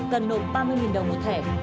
cần nộp ba mươi đồng một thẻ